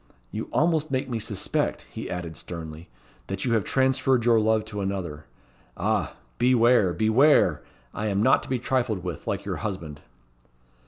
You almost make me suspect," he added, sternly, "that you have transferred your love to another. Ah! beware! beware! I am not to be trifled with, like your husband."